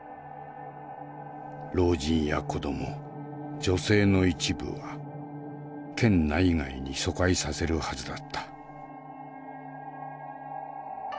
老人や子ども女性の一部は県内外に疎開させるはずだった。